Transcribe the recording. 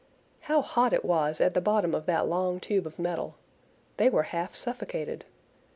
How hot it was at the bottom of that long tube of metal! They were half suffocated.